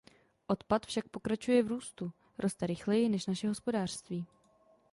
Odpad však pokračuje v růstu, roste rychleji než naše hospodářství.